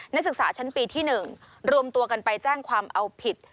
นักศึกษาชั้นปีที่๑รวมตัวกันไปแจ้งความเอาผิด